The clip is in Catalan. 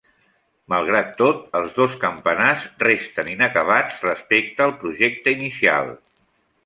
Malgrat tot, els dos campanars resten inacabats respecte al projecte inicial.